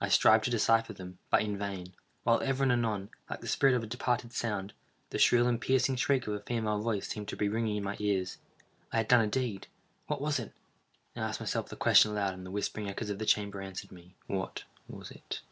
I strived to decypher them, but in vain; while ever and anon, like the spirit of a departed sound, the shrill and piercing shriek of a female voice seemed to be ringing in my ears. I had done a deed—what was it? I asked myself the question aloud, and the whispering echoes of the chamber answered me,—"_What was it?